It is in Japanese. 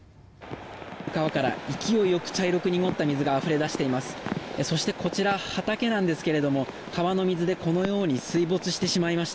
川から勢いよく茶色く濁った水があふれ出しています。